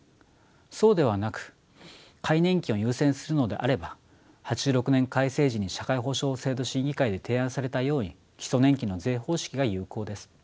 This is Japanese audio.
そうではなく皆年金を優先するのであれば８６年改正時に社会保障制度審議会で提案されたように基礎年金の税方式が有効です。